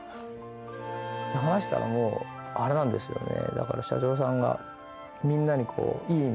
話したらもうあれなんですよね